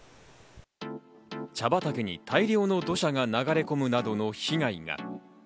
茶畑に大量の土砂が流れ込むなどの被害が。